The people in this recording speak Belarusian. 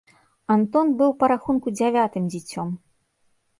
Антон быў па рахунку дзявятым дзіцем.